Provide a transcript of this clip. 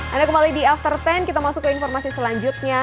anda kembali di after sepuluh kita masuk ke informasi selanjutnya